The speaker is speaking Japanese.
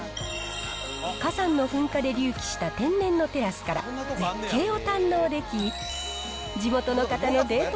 火山の噴火で隆起した天然のテラスから絶景を堪能でき、地元の方のデート